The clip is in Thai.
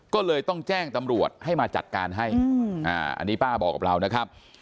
ก็เลยต้องแจ้งตำรวจให้มาจัดการให้อันนี้ป้าบอกกับเรานะครับ